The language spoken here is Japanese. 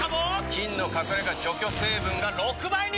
菌の隠れ家除去成分が６倍に！